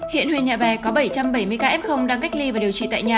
hiện huyện nhà bè có bảy trăm bảy mươi ca f đang cách ly và điều trị tại nhà